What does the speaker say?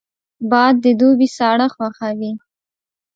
باد د دوبي ساړه خوښوي